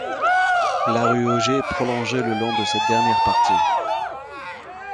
La rue Ogée est prolongée le long de cette dernière partie.